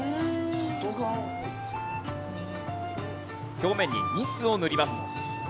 表面にニスを塗ります。